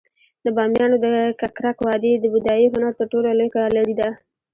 د بامیانو د ککرک وادي د بودايي هنر تر ټولو لوی ګالري ده